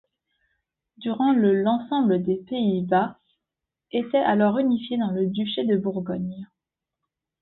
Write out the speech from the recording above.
Durant le l'ensemble des Pays Bas étaient alors unifiés dans le duché de Bourgogne.